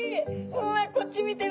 うわこっち見てる。